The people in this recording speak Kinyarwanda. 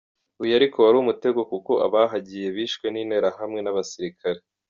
Uyu ariko wari umutego kuko abahagiye bishwe n’Interahamwe n’abasirikare.